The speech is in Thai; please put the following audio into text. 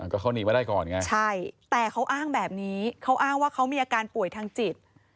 ก็เขาหนีมาได้ก่อนไงใช่แต่เขาอ้างแบบนี้เขาอ้างว่าเขามีอาการป่วยทางจิต